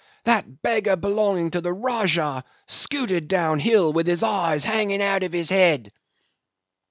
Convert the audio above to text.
That beggar belonging to the Rajah scooted down hill with his eyes hanging out of his head."